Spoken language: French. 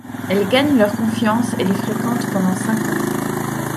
Elle gagne leur confiance et les fréquente pendant cinq ans.